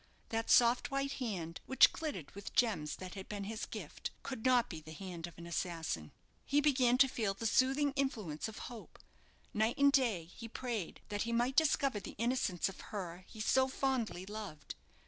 That soft white hand, which glittered with gems that had been his gift, could not be the hand of an assassin. He began to feel the soothing influence of hope. Night and day he prayed that he might discover the innocence of her he so fondly loved.